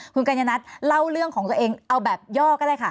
คุณกัญญนัทเล่าเรื่องของตัวเองเอาแบบย่อก็ได้ค่ะ